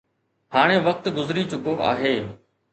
هاڻي وقت گذري چڪو آهي.